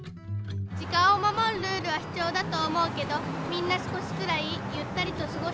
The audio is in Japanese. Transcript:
時間をまもるルールは必要だと思うけどみんな少しくらいゆったりとすごしてもいいと思う。